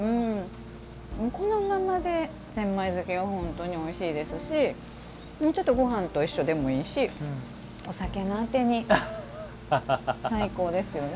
このままで、千枚漬は本当においしいですしちょっとごはんと一緒でもいいしお酒のあてに最高ですよね。